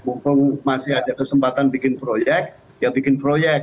mumpung masih ada kesempatan bikin proyek ya bikin proyek